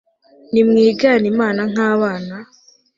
nimwigane Imana nk abana